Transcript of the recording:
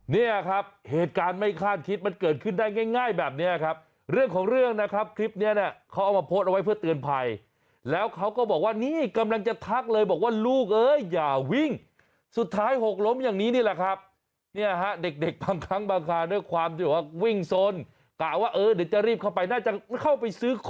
เนี่ยครับเหตุการณ์ไม่คาดคิดมันเกิดขึ้นได้ง่ายแบบนี้ครับเรื่องของเรื่องนะครับคลิปเนี้ยเขาเอามาโพสต์เอาไว้เพื่อเตือนภัยแล้วเขาก็บอกว่านี่กำลังจะทักเลยบอกว่าลูกเอ้ยอย่าวิ่งสุดท้ายหกล้มอย่างนี้นี่แหละครับเนี่ยฮะเด็กบางครั้งบางคราด้วยความที่ว่าวิ่งสนกะว่าเออเดี๋ยวจะรีบเข้าไปน่าจะเข้าไปซื้อคอ